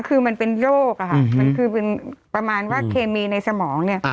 คือมันเป็นโรคอะค่ะมันคือเป็นประมาณว่าเคมีในสมองเนี่ย